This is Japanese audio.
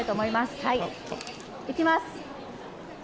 いきます。